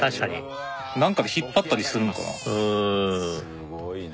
すごいね！